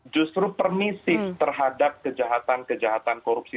justru permisif terhadap kejahatan kejahatan korupsi